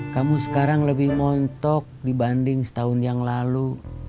kamu sekarang lebih montok dibanding setahun yang lalu